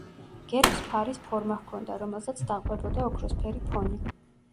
გერბს ფარის ფორმა ჰქონდა, რომელსაც დაყვებოდა ოქროსფერი ფონი.